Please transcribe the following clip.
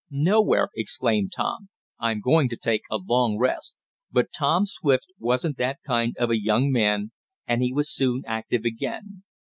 "No where!" exclaimed Tom. "I'm going to take a long rest." But Tom Swift wasn't that kind of a young man, and he was soon active again.